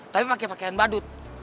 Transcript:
tapi pake pakaian badut